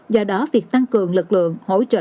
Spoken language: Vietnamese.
do đó việc tăng cường lực lượng hỗ trợ